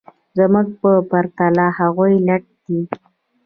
زموږ په پرتله هغوی لټ دي